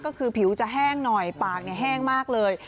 ก็คือผิวจะแห้งหน่อยปากแห้งมากเลย